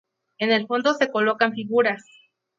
En el fondo se colocan figuras.